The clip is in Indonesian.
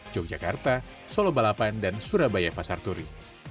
yogyakarta solo balapan dan surabaya pasar turi